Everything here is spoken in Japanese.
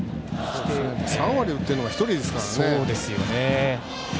３割打ってるのが１人ですからね。